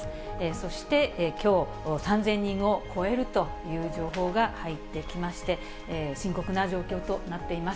そしてきょう、３０００人を超えるという情報が入ってきまして、深刻な状況となっています。